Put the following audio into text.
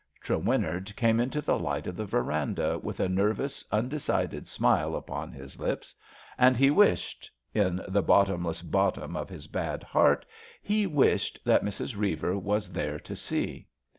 Trewin nard came into the light of the verandah with a nervous, undecided smile upon his lips, and he wished— in the bottomless bottom of his bad heart — ^he wished that Mrs. Reiver was there to see.